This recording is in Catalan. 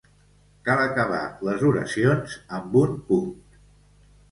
Cal acabar les oracions amb un punt.